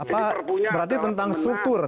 berarti tentang struktur